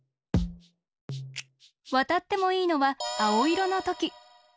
わたってもいいのはあおいろのとき。